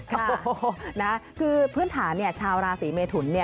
ค่ะนะครับคือเพื่อนฐานเนี่ยชาวราศรีเมถุนเนี่ย